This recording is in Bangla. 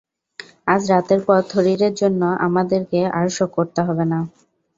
আজরাতের পর, থরিরের জন্য আমাদেরকে আর শোক করতে হবে না।